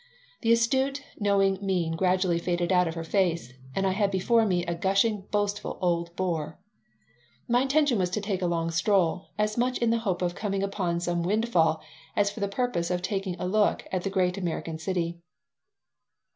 The astute, knowing mien gradually faded out of her face and I had before me a gushing, boastful old bore My intention was to take a long stroll, as much in the hope of coming upon some windfall as for the purpose of taking a look at the great American city.